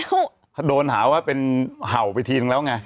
เขาโดนหาว่าเป็นเห่าไปทีนึงแล้วไง